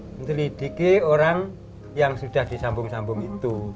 menteliti orang yang sudah disambung sambung itu